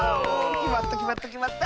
きまったきまったきまった！